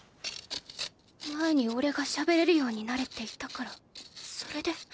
前におれが喋れるようになれって言ったからそれで？